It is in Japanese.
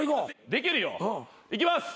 できるよ。いきます。